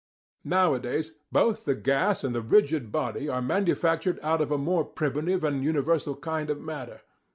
Nowadays both the gas and the rigid body are manufactured out of a more primitive and universal kind of matter.